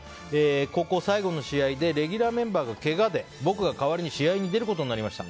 高校最後の試合でレギュラーメンバーがけがで僕が代わりに試合に出ることになりました。